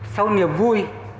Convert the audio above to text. sau niềm vui